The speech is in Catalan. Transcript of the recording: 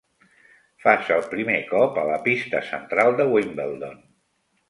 Fas el primer cop a la pista central de Wimbledon.